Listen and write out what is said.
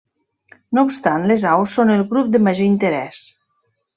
No obstant les aus són el grup de major interès.